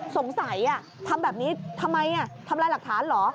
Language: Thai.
สงสัยทำแบบนี้ทำไมทำลายหลักฐานเหรอ